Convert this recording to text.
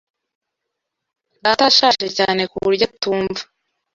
Data arashaje cyane kuburyo atumva.